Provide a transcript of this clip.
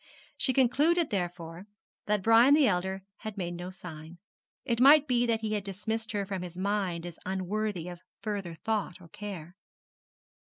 She concluded, therefore, that Brian the elder had made no sign. It might be that he had dismissed her from his mind as unworthy of further thought or care.